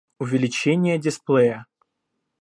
Увеличение дисплея